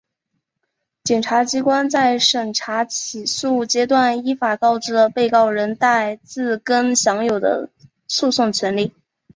检察机关在审查起诉阶段依法告知了被告人戴自更享有的诉讼权利